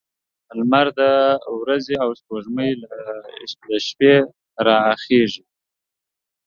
لمر د ورځې او سپوږمۍ له شپې راخيژي